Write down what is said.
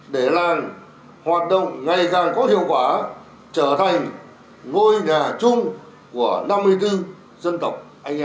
để làng hoạt động ngày càng có hiệu quả trở thành ngôi nhà chung của năm mươi bốn dân tộc